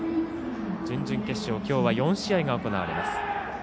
準々決勝、きょうは４試合が行われます。